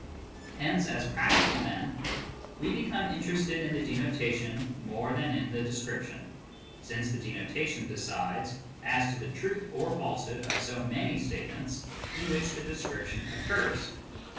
Hence, as practical men, we become interested in the denotation more than in the description, since the denotation decides as to the truth or falsehood of so many statements in which the description occurs.